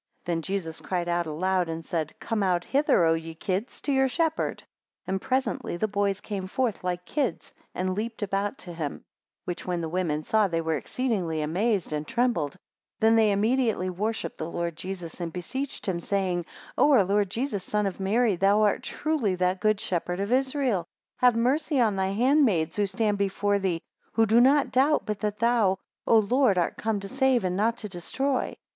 6 Then Jesus cried out aloud, and said, Come out hither, O ye kids, to your shepherd; 7 And presently the boys came forth like kids, and leaped about him; which when the women saw, they were exceedingly amazed, and trembled, 8 Then they immediately worshipped, the Lord Jesus, and beseeched him, saying, O our Lord Jesus, son of Mary, thou art truly that good shepherd of Israel! have mercy on thy handmaids, who stand before thee, who do not doubt, but that thou, O Lord, art come to save, and not to destroy.